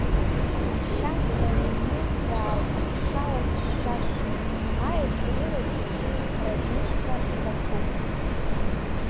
Ашьацра инылԥрааз аԥшалас шәшәа-шәшәоит, Аеҵә рылабжыш разнышха икаҭәоуп.